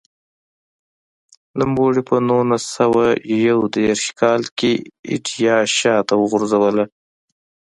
نوموړي په نولس سوه یو دېرش کال کې ایډیا شاته وغورځوله.